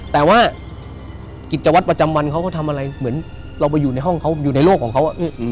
แต่ว่ากิจวัตรประจำวันเขาก็ทำอะไรเหมือนเราไปอยู่ในห้องเขาอยู่ในโลกของเขา